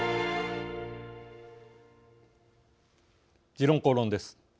「時論公論」です。